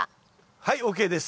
はいＯＫです。